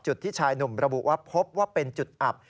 ที่ชายหนุ่มระบุว่าพบว่าเป็นจุดอับ